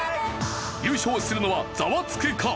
優勝するのはザワつく！か？